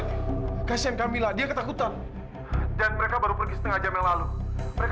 daripada cuma terjebak di sini pak